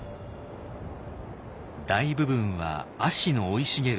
大部分は葦の生い茂る